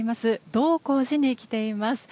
道光寺に来ています。